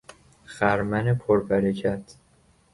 خرمن پر برکت